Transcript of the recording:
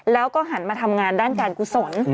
แล้วก็หันมาทำงานด้านการกุศล